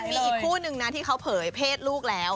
มีอีกคู่นึงนะที่เขาเผยเพศลูกแล้ว